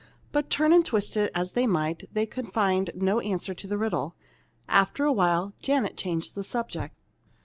But, turn and twist it as they might, they could find no answer to the riddle. After a while, Janet changed the subject.